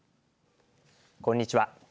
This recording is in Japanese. こんにちは。